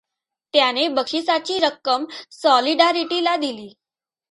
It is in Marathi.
त्याने बक्षिसाची रक्कम सॉलिडारिटीला दिली.